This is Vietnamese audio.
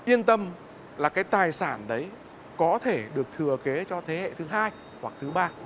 yên tâm là cái tài sản đấy có thể được thừa kế cho thế hệ thứ hai hoặc thứ ba